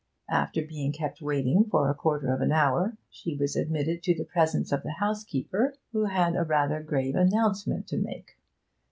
After being kept waiting for a quarter of an hour she was admitted to the presence of the housekeeper, who had a rather grave announcement to make.